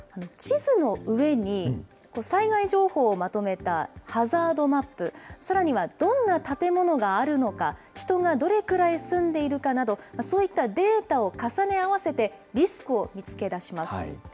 地図の上に、災害情報をまとめたハザードマップ、さらにはどんな建物があるのか、人がどれくらい住んでいるかなど、そういったデータを重ね合わせて、リスクを見つけ出します。